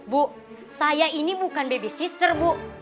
bu saya ini bukan baby sister bu